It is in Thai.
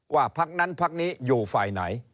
พักนั้นพักนี้อยู่ฝ่ายไหน